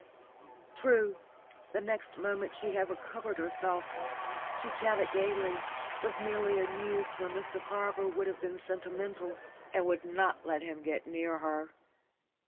True, the next moment she had recovered herself; she chatted gaily, was merely amused when Mr Carver would have been sentimental, and would not let him get near her.